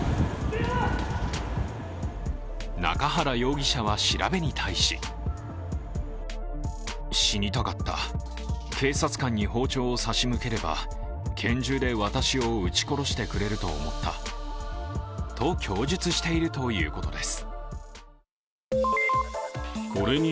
中原容疑者は調べに対しと、供述しているということです。